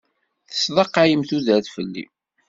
Tesḍaqayem tudert fell-i.